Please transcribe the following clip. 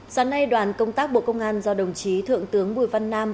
sáng nay đoàn công tác bộ công an do đồng chí thượng tướng bùi văn nam